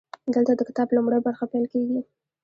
دلته د کتاب لومړۍ برخه پیل کیږي.